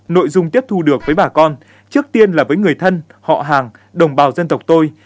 nội dung tiếp thu được với bà con trước tiên là với người thân họ hàng đồng bào dân tộc tôi